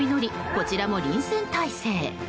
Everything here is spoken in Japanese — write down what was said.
こちらも臨戦態勢。